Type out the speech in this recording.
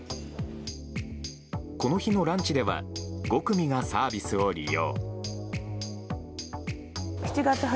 この日のランチでは５組がサービスを利用。